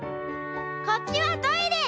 こっちはトイレ！」。